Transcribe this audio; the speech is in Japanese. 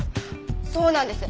そうなんです。